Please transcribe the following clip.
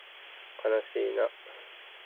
かなしいな